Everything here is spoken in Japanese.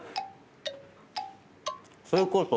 それこそ。